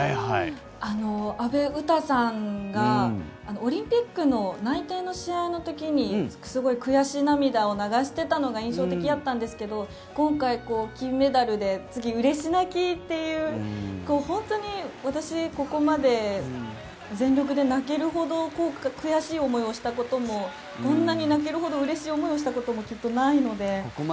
阿部詩さんがオリンピックの内定の試合の時にすごい悔し涙を流していたのが印象的だったんですけど今回金メダルで次、うれし泣きっていう本当に私、ここまで全力で泣けるほど悔しい思いをしたこともこんなに泣けるほどうれしい思いをしたこともきっとないので。